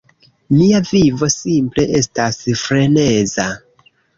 Mia vivo simple estas freneza